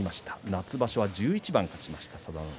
夏場所は１１番勝ちました。